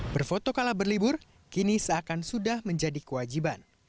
berfoto kala berlibur kini seakan sudah menjadi kewajiban